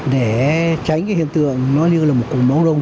để tránh cái hiện tượng nó như là một cồng bóng rông